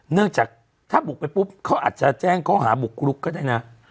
เนื่องจากถ้าบุกไปปุ๊บเขาอาจจะแจ้งข้อหาบุกรุกก็ได้นะ